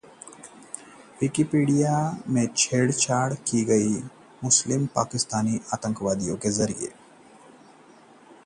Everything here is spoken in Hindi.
विकिपीडिया के पेज से छेड़छाड़, केजरीवाल को बना दिया 'मुर्खमंत्री'